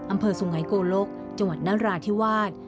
อำเภอสุงไกโกลกจนราธิวาส